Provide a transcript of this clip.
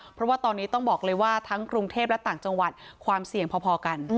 เพราะว่าตอนนี้ต้องบอกเลยว่าทั้งกรุงเทพและต่างจังหวัดความเสี่ยงพอกัน